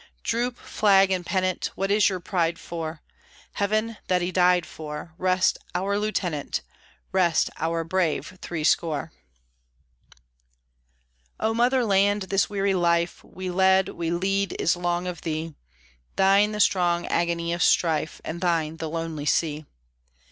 Droop, flag and pennant! What is your pride for? Heaven, that he died for, Rest our Lieutenant, Rest our brave threescore! O Mother Land! this weary life We led, we lead, is 'long of thee; Thine the strong agony of strife, And thine the lonely sea.